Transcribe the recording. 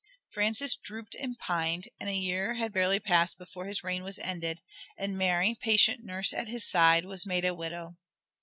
Francis drooped and pined, and a year had barely passed before his reign was ended, and Mary, patient nurse at his side, was made a widow.